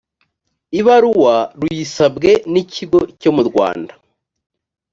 ibaruwa ruyisabwe n ikigo cyo mu rwanda